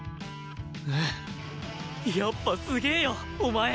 うんやっぱすげえよお前！